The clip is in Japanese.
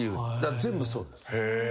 全部そうです。